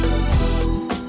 gua cuma angkat